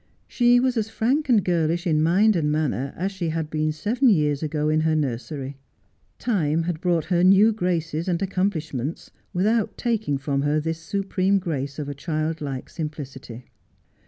She was as frank and girlish in mind and manner as she had been seven years ago in her nursery. Time had brought her new graces and accomplish ments without taking from her this supreme grace of childlike simplicity.